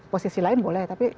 posisi lain boleh tapi